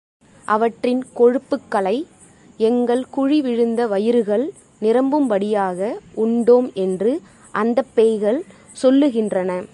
அவற்றின் கொழுப்புக்களை எங்கள் குழி விழுந்த வயிறுகள் நிரம்பும்படியாக உண்டோம் என்று அந்தப் பேய்கள் சொல்லுகின்றன.